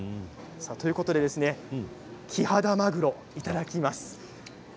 ということでキハダマグロをいただきます。